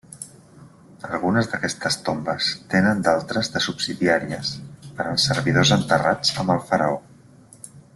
Algunes d'aquestes tombes tenen d'altres de subsidiàries per als servidors enterrats amb el faraó.